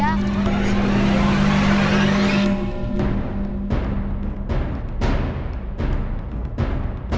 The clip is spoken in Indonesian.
walaupun susah ngerjainnya ribet tapi nggak papa